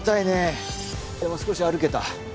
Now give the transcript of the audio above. でも少し歩けた。